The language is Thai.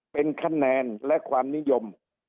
เป็นคะแนนและความนิยม